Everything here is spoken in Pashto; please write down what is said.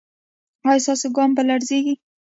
ایا ستاسو ګام به لړزیږي؟